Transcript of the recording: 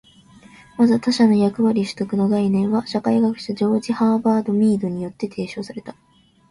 まず、「他者の役割取得」の概念は社会学者ジョージ・ハーバート・ミードによって提唱された。